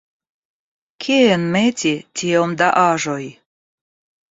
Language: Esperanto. Kien meti tiom da aĵoj?